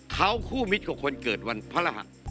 เขาคู่มิตรกับคนเกิดวันพระรหัส